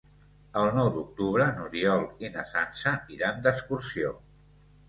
El nou d'octubre n'Oriol i na Sança iran d'excursió.